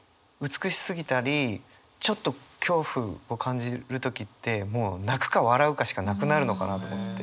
美しすぎたりちょっと恐怖を感じる時ってもう泣くか笑うかしかなくなるのかなと思って。